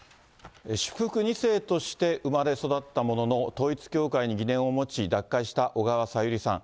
祝福２世として生まれ育ったものの、統一教会に疑念を持ち、脱会した小川さゆりさん。